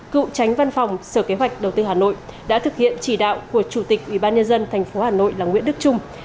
cựu tránh văn phòng sở kế hoạch đầu tư hà nội đã thực hiện chỉ đạo của chủ tịch ủy ban nhân dân tp hà nội là nguyễn đức trung